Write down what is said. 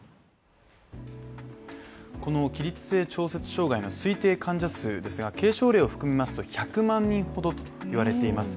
起立性調節障害の推定患者数ですが軽症例を含めますと１００万人ほどといわれています